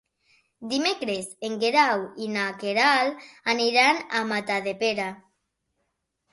Dimecres en Guerau i na Queralt aniran a Matadepera.